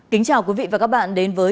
kính chào quý vị và các bạn đến với